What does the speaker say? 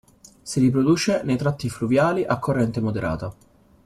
Si riproduce nei tratti fluviali a corrente moderata.